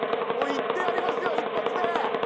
いってやりますよ一発で。